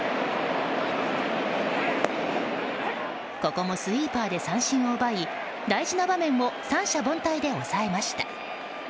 ここもスイーパーで三振を奪い大事な場面を三者凡退で抑えました。